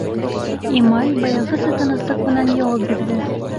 Имай баяғыса тыныслыҡ менән яуап бирҙе: